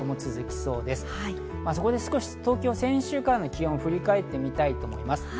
そこで少し東京、先週からの気温を振り返ってみたいと思います。